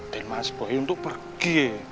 dan mas boy untuk pergi